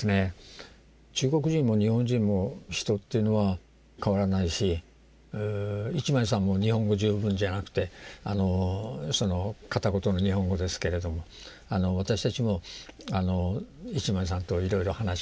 中国人も日本人も人というのは変わらないし一枚さんも日本語十分じゃなくて片言の日本語ですけれども私たちも一枚さんといろいろ話をして。